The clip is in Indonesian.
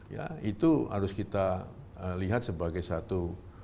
ya itu harus kita lihat sebagai satu